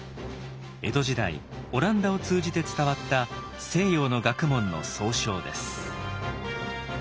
江戸時代オランダを通じて伝わった西洋の学問の総称です。